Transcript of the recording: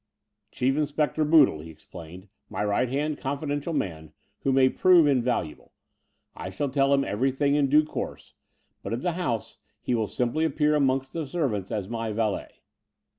"Chief Inspector Boodle," he explained, "my right hand confidential man, who may prove in valuable. I shall tell him everything in due course: but at the house he will simply appear amongst the servants as my valet."